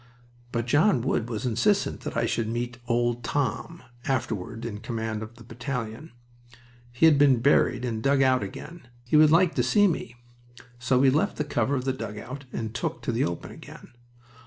But John Wood was insistent that I should meet "old Thom," afterward in command of the battalion. He had just been buried and dug out again. He would like to see me. So we left the cover of the dugout and took to the open again.